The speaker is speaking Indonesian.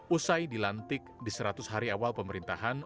usai dilantik di seratus hari awal pemerintahan